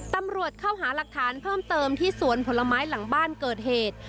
ตำรวจเข้าหาหลักฐานเพิ่มเติมที่สวนผลไม้หลังบ้านเกิดเหตุ